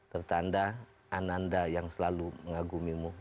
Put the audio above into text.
tertanda ananda yang selalu mengagumimu